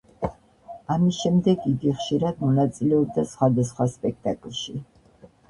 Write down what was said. ამის შემდეგ იგი ხშირად მონაწილეობდა სხვადასხვა სპექტაკლში.